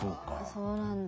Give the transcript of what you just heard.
そうなんだ。